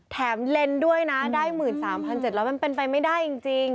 เลนส์ด้วยนะได้๑๓๗๐๐มันเป็นไปไม่ได้จริง